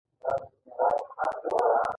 موږ هره ورځ کار ته ځو.